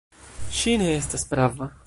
Ŝi ne estas prava.